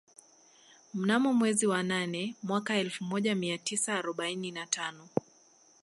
Mnamo mwezi wa nane mwaka elfu moja mia tisa arobaini na tano